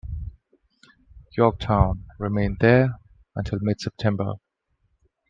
"Yorktown" remained there until mid-September.